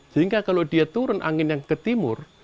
sehingga kalau dia turun angin yang ke timur